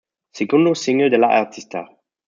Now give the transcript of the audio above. Segundo single de la artista.